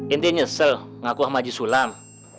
inti nyesel ngaku sama haji sulam